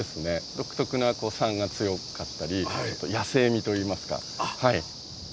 独特な酸が強かったり野性味といいますか。